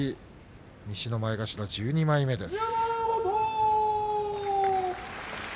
西の前頭１２枚目です。